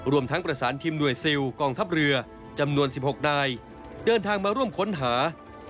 รวมทั้งประสานทีมหน่วยซิลกองทัพเรือจำนวน๑๖นายเดินทางมาร่วมค้นหา